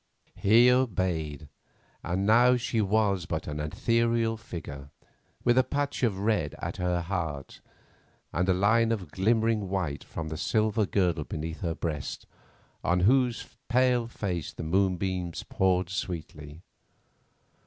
He obeyed, and now she was but an ethereal figure, with a patch of red at her heart, and a line of glimmering white from the silver girdle beneath her breast, on whose pale face the moonbeams poured sweetly.